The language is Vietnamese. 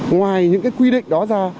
ngoài những quy định đó ra